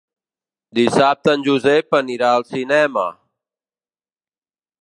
Dissabte en Josep anirà al cinema.